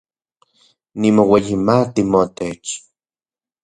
Nimoueyimati motech